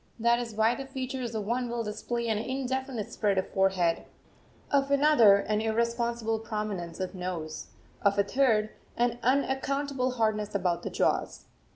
That is why the features of one will display an indefinite spread of forehead, of another an irresponsible prominence of nose, of a third an unaccountable hardness about the jaws.